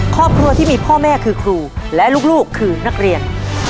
ครอบครัวที่มีพ่อแม่คือครูและลูกคือนักเรียน